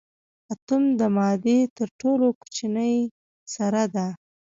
اتوم د مادې تر ټولو کوچنۍ ذره ده.